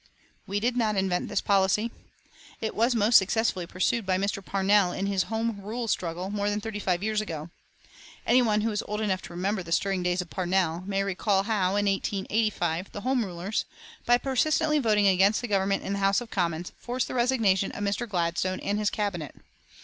We did not invent this policy. It was most successfully pursued by Mr. Parnell in his Home Rule struggle more than thirty five years ago. Any one who is old enough to remember the stirring days of Parnell may recall how, in 1885, the Home Rulers, by persistently voting against the Government in the House of Commons, forced the resignation of Mr. Gladstone and his Cabinet.